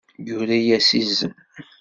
Yura-yas izen.